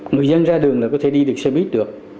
người dân ra đường là có thể đi được xe buýt được